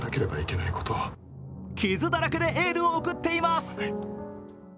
傷だらけでエールを送っています。